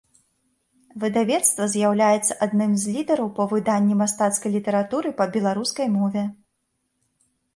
Выдавецтва з'яўляецца адным з лідараў па выданні мастацкай літаратуры па беларускай мове.